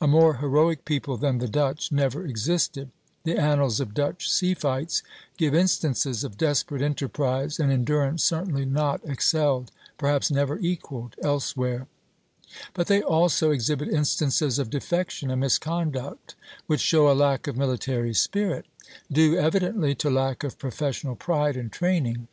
A more heroic people than the Dutch never existed; the annals of Dutch sea fights give instances of desperate enterprise and endurance certainly not excelled, perhaps never equalled, elsewhere; but they also exhibit instances of defection and misconduct which show a lack of military spirit, due evidently to lack of professional pride and training.